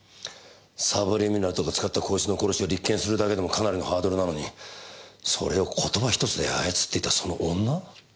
サブリミナルとかを使ったこいつの殺しを立件するだけでもかなりのハードルなのにそれを言葉ひとつで操っていたその女？